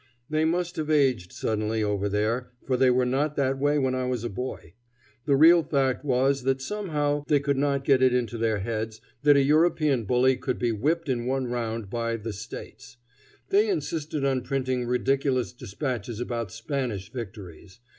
They must have aged suddenly over there, for they were not that way when I was a boy. The real fact was that somehow they could not get it into their heads that a European bully could be whipped in one round by "the States." They insisted on printing ridiculous despatches about Spanish victories.